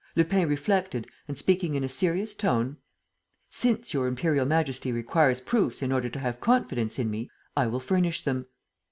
Lupin reflected and, speaking in a serious tone: "Since Your Imperial Majesty requires proofs in order to have confidence in me, I will furnish them.